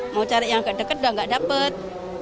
mau cari yang dekat dekat sudah enggak dapat